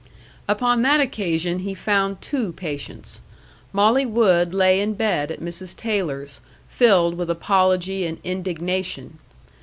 Upon that occasion he found two patients. Molly Wood lay in bed at Mrs. Taylor's, filled with apology and indignation.